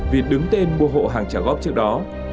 vì đứng tên mua hộ hàng trả góp trước đó